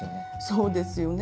そうですよね。